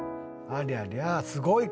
ありゃりゃすごい！